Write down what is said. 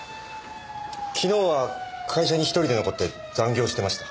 昨日は会社に１人で残って残業してました。